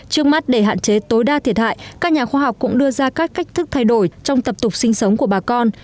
trước mắt để hạn chế tối đa thiệt hại các nhà khoa học cũng đưa ra các cách thức thay đổi trong tập tục sinh sống của bà con